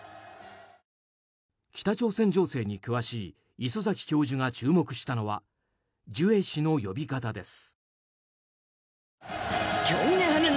北朝鮮情勢に詳しい磯崎教授が注目したのはジュエ氏の呼び方です。